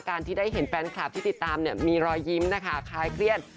การที่ได้เห็นแฟนคลาฟที่ติดตามมีรอยยิ้มนะคะคล้ายเครียด